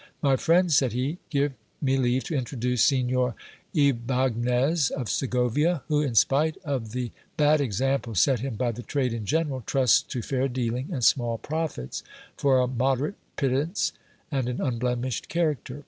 My friend, said he, give me leave to introduce Signor Ybagnez of Segovia, who, in spite of the bad example s ;t him by the trade in general, trusts to fair dealing and small profits for a moderate pittance and an unblemished character.